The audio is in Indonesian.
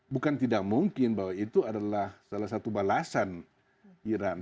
bukan tidak mungkin bahwa itu adalah salah satu balasan iran